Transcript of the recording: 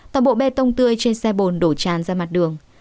toàn bộ bê tông tươi trên xe bồn đổ tràn ra mặt đường